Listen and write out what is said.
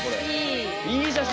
いい写真！